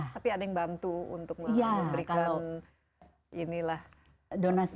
tapi ada yang bantu untuk memberikan inilah donasi